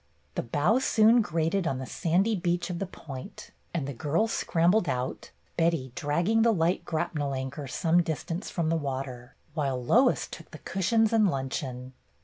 The bow soon grated on the sandy beach of the Point, and the girls scrambled out, Betty dragging the light grapnel anchor some dis tance from the water, while Lois took the cushions and luncheon.